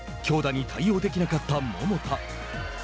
しかし強打に対応できなかった桃田。